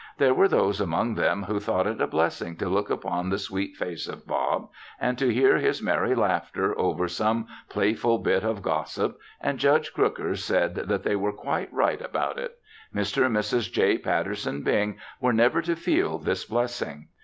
There were those among them who thought it a blessing to look upon the sweet face of Bob and to hear his merry laughter over some playful bit of gossip and Judge Crooker said that they were quite right about it. Mr. and Mrs. J. Patterson Bing were never to feel this blessing.